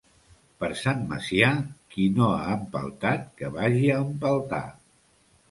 Per Sant Macià, qui no ha empeltat, que vagi a empeltar.